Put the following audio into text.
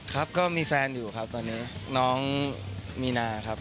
ครับก็มีแฟนอยู่ครับตอนนี้น้องมีนาครับ